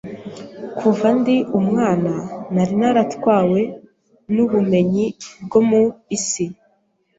Kuva ndi umwana , nari naratwawe n’ubumenyi bwo mu isi,